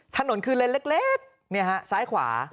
ถนนคือเลนเล็กหรือไงฮะซ้ายขวา